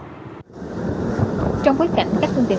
trong khối cảnh các phương tiện